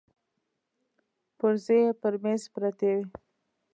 پرزې يې پر مېز پرتې وې.